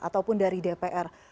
ataupun dari dpr